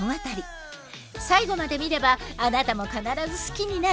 最後まで見ればあなたも必ず好きになる！